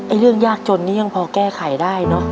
เรื่องยากจนนี่ยังพอแก้ไขได้เนอะ